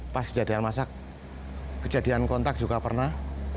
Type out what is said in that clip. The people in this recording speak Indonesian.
pas kejadian masak kejadian kontak juga pernah